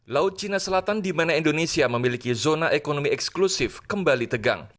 laut cina selatan di mana indonesia memiliki zona ekonomi eksklusif kembali tegang